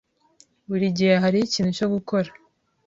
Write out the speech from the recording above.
Buri gihe hariho ikintu cyo gukora.